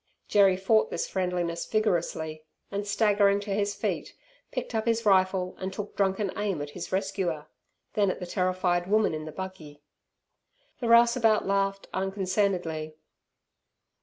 Jerry fought this friendliness vigorously, and, staggering to his feet, picked up his rifle, and took drunken aim at his rescuer, then at the terrified woman in the buggy. The rouseabout laughed unconcernedly.